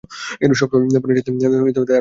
সবসময় বেনের সাথে তার মারামারি লেগেই থাকত।